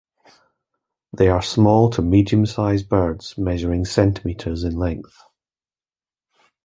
They are small to medium-sized birds, measuring cm in length.